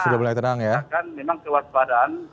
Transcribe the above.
karena memang kewaspadaan